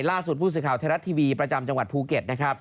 ล่าสุดผู้สื่อข่าวไทยรัฐทีวีประจำจังหวัดภูเก็ตนะครับ